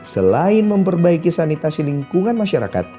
selain memperbaiki sanitasi lingkungan masyarakat